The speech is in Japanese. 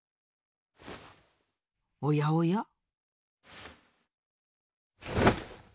おやおや。